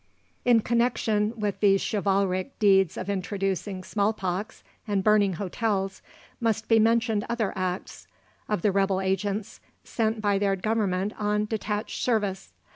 In connection with these chivalric deeds of introducing small pox and burning hotels, must be mentioned other acts of the rebel agents, sent by their Government on "detached service."